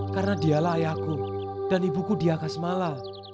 karena dialah ayahku dan ibuku di akas mala